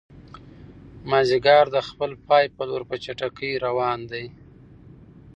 مازیګر د خپل پای په لور په چټکۍ روان دی.